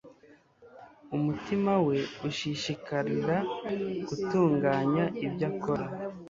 umutima we ushishikarira gutunganya ibyo akora